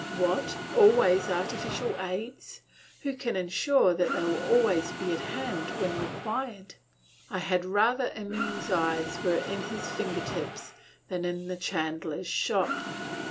What always artificial aids. Who can insure that they will always be at hand when required. I had rather Emil's eyes were in his finger tips, than in the chandler's shop.